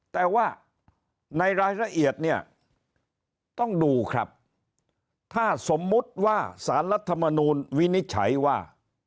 แต่ว่าในรายละเอียดเนี่ยต้องดูครับถ้าสมมุติว่าสารรัฐมนูลวินิจฉัยว่า